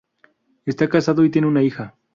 Esta casado y tiene una hija